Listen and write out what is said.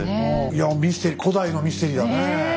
いやミステリー古代のミステリーだね。